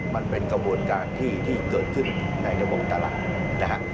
มันเป็นกระบวนการที่เกิดขึ้นในระบบตลาดนะฮะ